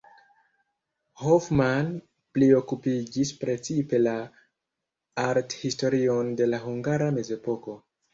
Hoffmann priokupiĝis precipe la arthistorion de la hungara mezepoko.